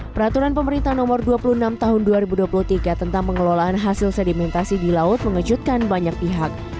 peraturan pemerintah nomor dua puluh enam tahun dua ribu dua puluh tiga tentang pengelolaan hasil sedimentasi di laut mengejutkan banyak pihak